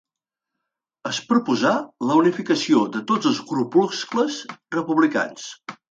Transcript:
Es proposà la unificació de tots els grupuscles republicans.